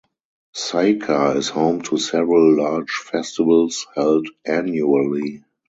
Seika is home to several large festivals held annually.